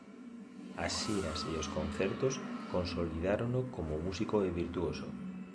As xiras e os concertos consolidárono como músico e virtuoso.